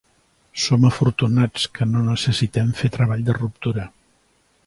Som afortunats que no necessitem fer treball de ruptura.